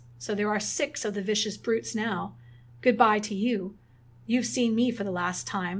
So there are six of the vicious brutes now! Good bye to you. You've seen me for the last time.